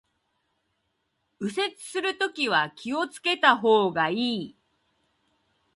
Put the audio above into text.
右折するときは気を付けた方がいい